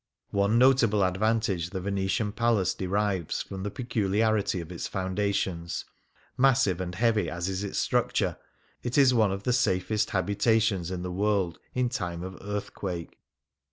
One notable advantage the Venetian palace derives from the peculiarity of its foundations : massive and heavy as is its structure, it is one of the safest habitations in the world in time of earthquake.